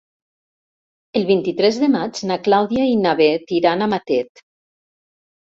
El vint-i-tres de maig na Clàudia i na Bet iran a Matet.